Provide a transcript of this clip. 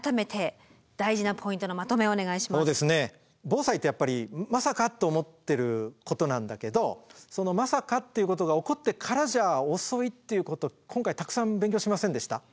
防災ってやっぱりまさかと思ってることなんだけどそのまさかっていうことが起こってからじゃ遅いっていうこと今回たくさん勉強しませんでした？